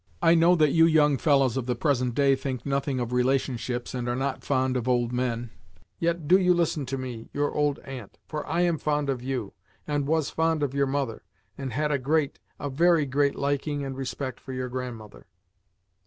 I know that you young fellows of the present day think nothing of relationships and are not fond of old men, yet do you listen to me, your old aunt, for I am fond of you, and was fond of your mother, and had a great a very great liking and respect for your grandmother.